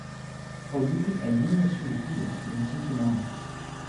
o lukin e linja suli pilin lon sinpin ona.